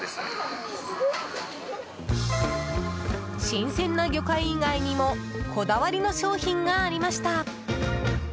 新鮮な魚介以外にもこだわりの商品がありました。